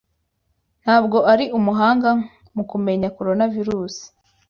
Ntabwo ari umuhanga mukumenya Coronavirus.